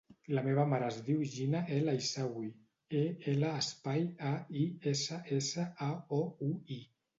La meva mare es diu Gina El Aissaoui: e, ela, espai, a, i, essa, essa, a, o, u, i.